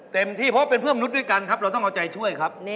เต็มที่เพราะเป็นเพื่อนมนุษย์ด้วยกันครับเราต้องเอาใจช่วยครับ